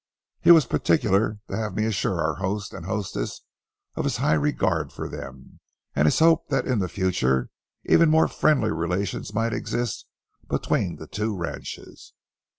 He was particular to have me assure our host and hostess of his high regard for them, and his hope that in the future even more friendly relations might exist between the two ranches.